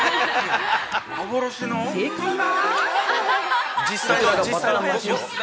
◆正解は。